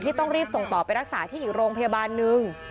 ต้องรีบส่งต่อไปรักษาที่อีกโรงพยาบาลนึง